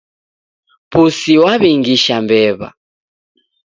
Pusi waw'ingisha mbew'a.